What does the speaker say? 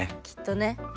きっとね。